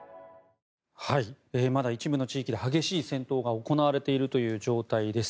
まだ一部の地域で激しい戦闘が行われているという状態です。